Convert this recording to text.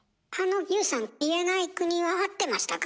ＹＯＵさん言えない国は合ってましたか？